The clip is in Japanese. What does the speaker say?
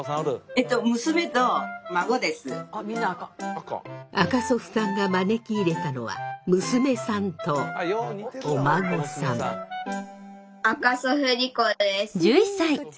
赤祖父さんが招き入れたのは娘さんと赤祖父莉子です。